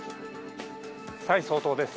蔡総統です。